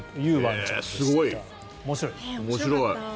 面白い。